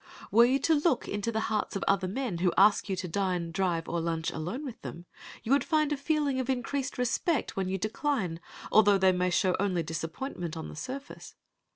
Were you to look into the hearts of other men who ask you to dine, drive, or lunch alone with them, you would find a feeling of increased respect when you decline, although they may show only disappointment on the surface.